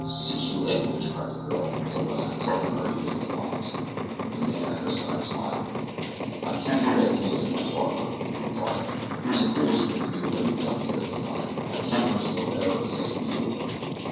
"Sich langwidge!" cried the girl, with a laugh, covering her ears with her palms. The man at her side smiled. "I can't say that I blame him much, Barbara," he replied. "It was a very foolish thing for me to bring you down here at this time. I can't understand what ever possessed me to do it."